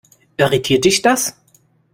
Irritiert dich das?